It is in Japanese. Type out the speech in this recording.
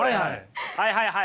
はいはいはい。